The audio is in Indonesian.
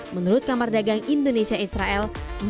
menurut kamar dagang indonesia israel